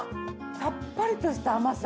さっぱりとした甘さ。